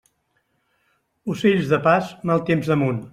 Ocells de pas, mal temps damunt.